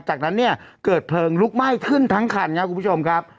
จากนั้นเนี่ยเกิดเพลิงลุกไหม้ขึ้นทั้งคันครับคุณผู้ชมครับ